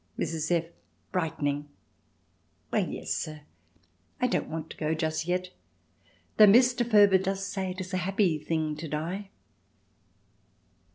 Mrs. F. (brightening). "Well, yes sir, I don't want to go just yet, though Mr. Furber does say it is a happy thing to die."